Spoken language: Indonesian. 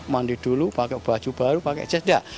mandi dulu pakai baju baru pakai chest enggak